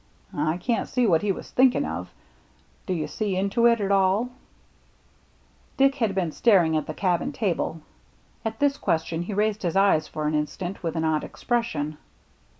I can't see what he was thinking of. Do you see into it at all ?" Dick had been staring at the cabin table. At this question he raised his eyes, for an instant, with an odd expression.